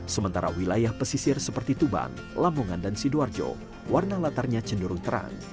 sementara wilayah pesisir seperti tuban lamongan dan sidoarjo warna latarnya cenderung terang